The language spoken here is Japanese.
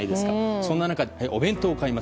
そんな中、お弁当を買います。